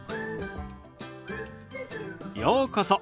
ようこそ。